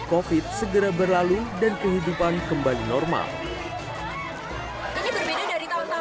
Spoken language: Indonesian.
covid segera berlalu dan kehidupan kembali normal ini berbeda dari tahun tahun yang lalu